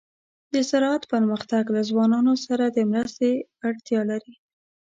د زراعت پرمختګ له ځوانانو سره د مرستې اړتیا لري.